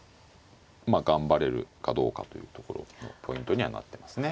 まあ頑張れるかどうかというところのポイントにはなってますね。